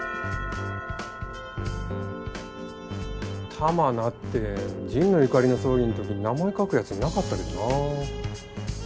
玉名って神野由香里の葬儀ん時に名前書くやつになかったけどな。